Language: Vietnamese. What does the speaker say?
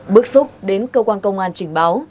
bước xúc đến cơ quan công an trình báo